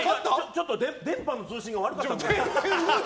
ちょっと電波の通信が悪かった。